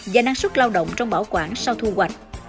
và năng suất lao động trong bảo quản sau thu hoạch